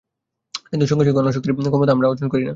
কিন্তু সঙ্গে সঙ্গে অনাসক্তির ক্ষমতা আমরা অর্জন করি না।